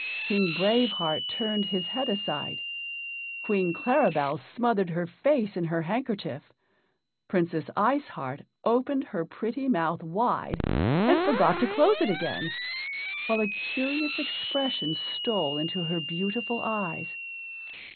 King Brave Heart turned his head aside. Queen Claribel smothered her face in her handkerchief. Princess Ice Heart opened her pretty mouth wide and forgot to close it again, while a curious expression stole into her beautiful eyes.